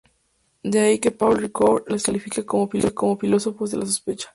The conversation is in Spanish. De ahí que Paul Ricoeur les calificara como filósofos de la sospecha.